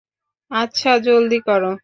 আচ্ছা, জলদি করো।